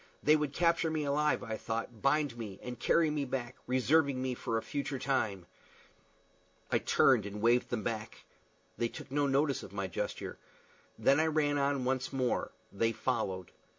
They would capture me alive, I thought, bind me, and carry me back, reserving me for a future time! I turned and waved them back. They took no notice of my gesture. Then I ran on once more. They followed.